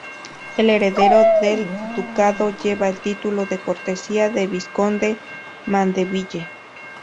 El heredero del ducado lleva el título de cortesía de Vizconde Mandeville.